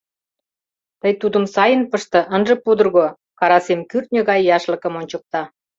Тый тудым сайын пыште, ынже пудырго, — Карасим кӱртньӧ гай яшлыкым ончыкта.